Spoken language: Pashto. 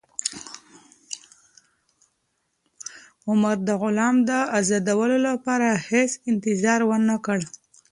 عمر د غلام د ازادولو لپاره هېڅ انتظار ونه کړ.